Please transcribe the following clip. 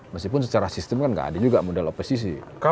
meskipun secara sistem kan tidak ada juga model oposisi